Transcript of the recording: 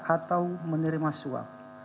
atau menerima suap